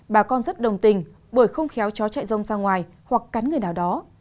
bà con rất đồng tình bởi không khéo chó chạy rông ra ngoài hoặc cắn người nào đó